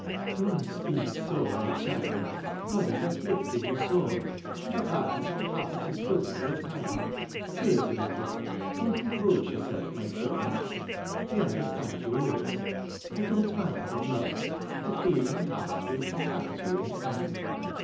"Don't speak so, my child. God has afflicted you sore, and your hardness of heart is but for a time. Wait a little. Don't reproach yourself, my poor Nest. I under stand your ways. I don't mind them, love. The feeling heart will come back to you in time.